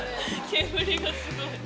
煙がすごい。